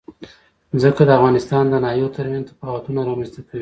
ځمکه د افغانستان د ناحیو ترمنځ تفاوتونه رامنځ ته کوي.